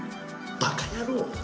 バカ野郎。